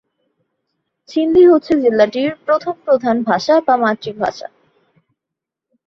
সিন্ধি হচ্ছে জেলাটির প্রথম প্রধান ভাষা বা মাতৃভাষা।